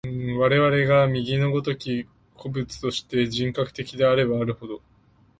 我々が右の如き個物として、人格的であればあるほど、